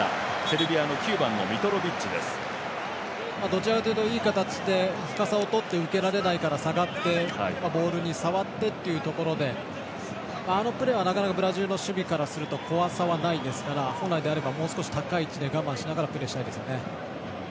どちらかというといい形で深さを取って、受けられないから下がってボールに触ってというところからあのプレーはなかなか、ブラジルの守備からすると怖さはないので本来であれば、もちょっと高い位置で我慢しながらプレーしたいですよね。